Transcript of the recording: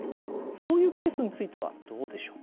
そういうケースについてはどうでしょう？